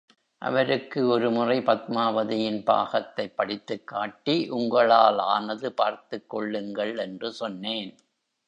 அவருக்கு ஒருமுறை பத்மாவதியின் பாகத்தைப் படித்துக் காட்டி உங்களாலானது பார்த்துக்கொள்ளுங்கள் என்று சொன்னேன்.